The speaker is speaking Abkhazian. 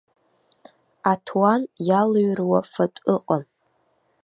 Аҭуан иалыҩруа фатә ыҟам.